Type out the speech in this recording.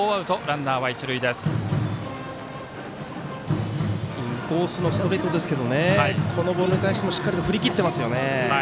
インコースのストレートですけどこのボールに対してもしっかり振り切ってますね。